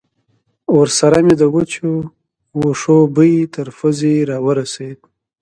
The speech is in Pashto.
ورسره مې د وچو وښو بوی تر پوزې را ورسېد.